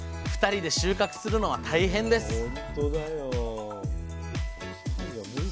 ２人で収穫するのは大変です